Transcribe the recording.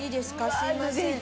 すいません。